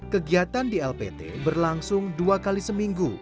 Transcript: kegiatan di lpt berlangsung dua kali seminggu